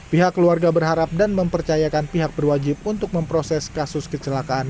pihak keluarga berharap dan mempercayakan pihak berwajib untuk memproses kasus kecelakaan